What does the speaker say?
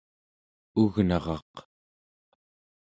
ugnaraq